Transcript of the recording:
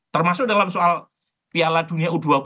termasuk dalam soal piala dunia u dua puluh